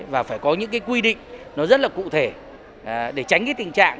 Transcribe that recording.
và phải có những quy định rất là cụ thể để tránh cái tình trạng